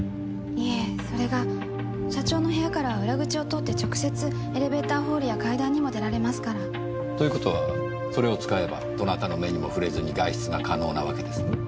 いえそれが社長の部屋から裏口を通って直接エレベーターホールや階段にも出られますから。という事はそれを使えばどなたの目にも触れずに外出が可能なわけですね？